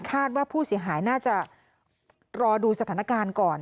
คาดว่าผู้เสียหายน่าจะรอดูสถานการณ์ก่อน